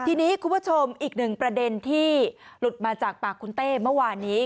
ทีนี้คุณผู้ชมอีกหนึ่งประเด็นที่หลุดมาจากปากคุณเต้เมื่อวานนี้